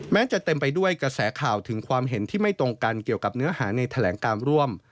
จะเต็มไปด้วยกระแสข่าวถึงความเห็นที่ไม่ตรงกันเกี่ยวกับเนื้อหาในแถลงการร่วม